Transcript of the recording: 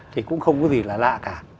thì cũng không có gì là lạ cả